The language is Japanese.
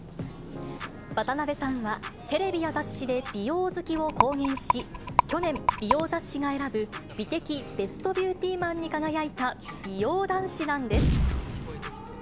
渡辺さんはテレビや雑誌で美容好きを公言し、去年、美容雑誌が選ぶ、美的ベストビューティマンに輝いた美容男子なんです。